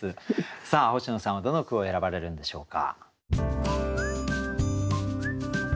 さあ星野さんはどの句を選ばれるんでしょうか。